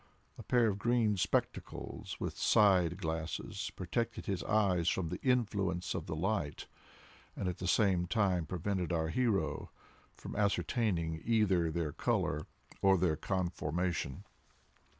A pair of green spectacles, with side glasses, protected his eyes from the influence of the light, and at the same time prevented our hero from ascertaining either their color or their conformation.